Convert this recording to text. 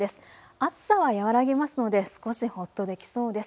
暑さは和らぎますので少しほっとできそうです。